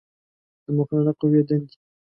د مقننه قوې دندې